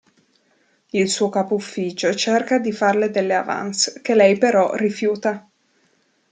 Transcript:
Il suo capo ufficio cerca di farle delle avances che lei però rifiuta.